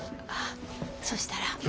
あっそしたら。